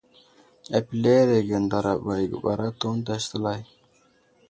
Apəleerge ndaraba i guɓar atu ənta səlay.